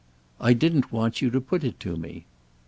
"I didn't want you to put it to me."